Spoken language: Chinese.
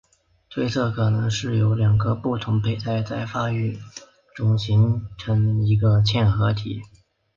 推测可能是两个不同胚胎在发育中形成一个嵌合体。